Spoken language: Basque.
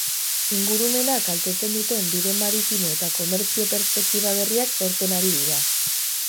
Ingurumena kaltetzen duten bide maritimo eta komertzio perspektiba berriak sortzen ari dira.